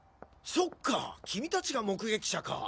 そっか君達が目撃者か。